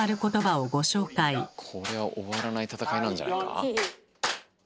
これは終わらない戦いなんじゃないか？